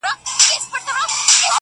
زۀ خپله خان یمه خان څۀ ته وایي ,